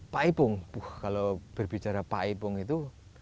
pak ipung kalau berbicara pak ipung itu